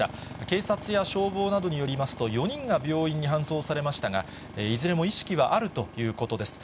警察や消防などによりますと、４人が病院に搬送されましたが、いずれも意識はあるということです。